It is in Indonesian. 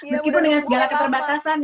meskipun dengan segala keterbatasan